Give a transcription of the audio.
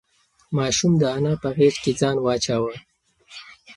ماشوم د انا په غېږ کې ځان واچاوه.